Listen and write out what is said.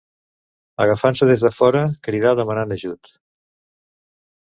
Agafant-se des de fora, crida demanant ajut.